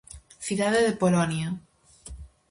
Cidade de Polonia.